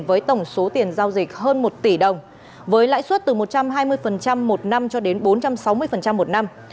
với tổng số tiền giao dịch hơn một tỷ đồng với lãi suất từ một trăm hai mươi một năm cho đến bốn trăm sáu mươi một năm